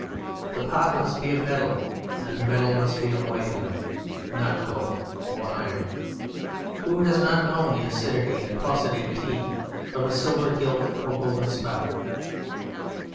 The Pot must be of metal, and the metal must be a white metal, not gold or iron. Who has not known the acidity and paucity of Tea from a silver gilt or golden spout?